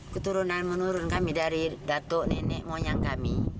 keturunan menurun kami dari datuk nenek moyang kami